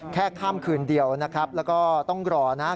ข้ามคืนเดียวนะครับแล้วก็ต้องรอนะครับ